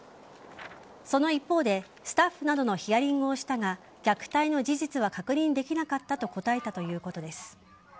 その一方でスタッフなどのヒアリングをしたが虐待の事実は確認できなかったと答えたということです。